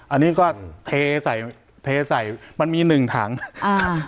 อันนี้ก็เทใส่เทใส่มันมีหนึ่งถังอ่า